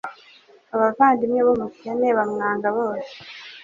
Abavandimwe b’umukene bamwanga bose